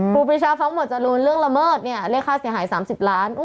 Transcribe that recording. ครูปีชาฟ้องหมวดจรูนเรื่องละเมิดเนี่ยเรียกค่าเสียหาย๓๐ล้าน